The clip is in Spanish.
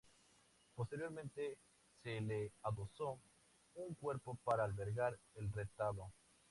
Posteriormente se le adosó un cuerpo para albergar el retablo.